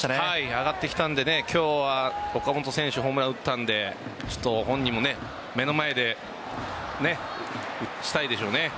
上がってきたので今日は岡本選手がホームランを打ったので本人も目の前で打ちたいでしょうね。